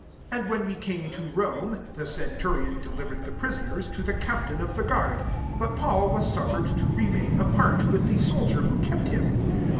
16 And when we came to Rome [the centurion delivered the prisoners to the captain of the guard, but] Paul was suf fered to remain apart, with the soldier who kept him.